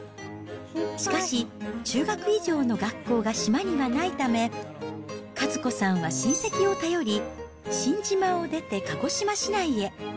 しかし、中学以上の学校が島にはないため、和子さんは親戚を頼り、新島を出て、鹿児島市内へ。